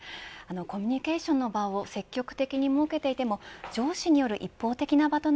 コミュニケーションの場を積極的に設けていても上司による一方的な場と